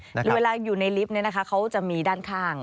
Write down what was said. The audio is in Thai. หรือเวลาอยู่ในลิฟต์เขาจะมีด้านข้าง